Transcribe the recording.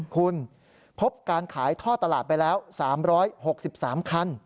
คุณพบการขายท่อตลาดไปแล้ว๓๖๓คัน